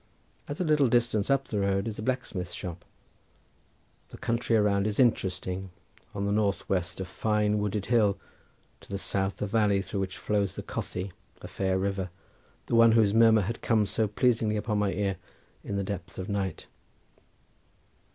At a little distance up the road is a blacksmith's shop. The country around is interesting: on the north west is a fine wooded hill—to the south a valley through which flows the Cothi, a fair river, the one whose murmur had come so pleasingly upon my ear in the depth of night.